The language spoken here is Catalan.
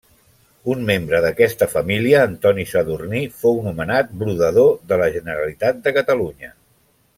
Un membre d'aquesta família, Antoni Sadurní, fou nomenat brodador de la Generalitat de Catalunya.